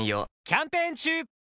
キャンペーン中！